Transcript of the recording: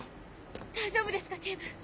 大丈夫ですか警部！